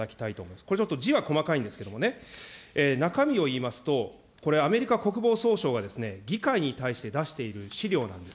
これちょっと字は細かいんですけどね、中身を言いますと、これ、アメリカ国防総省がですね、議会に対して出している資料なんです。